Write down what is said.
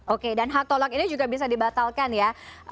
oke dan hak tolak ini juga bisa dibatalkan ya